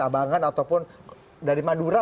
abangan ataupun dari madura